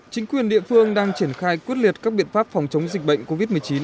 chính quyền địa phương đang triển khai quyết liệt các biện pháp phòng chống dịch bệnh covid một mươi chín